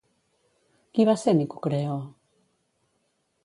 Qui va ser Nicocreó?